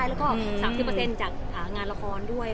แล้วก็๓๐จากงานละครด้วย